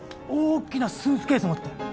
大きなスーツケース持って。